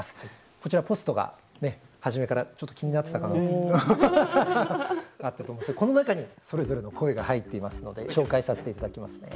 こちらポストが初めからちょっと気になってたかと思いますがこの中にそれぞれの声が入っていますので紹介させていただきますね。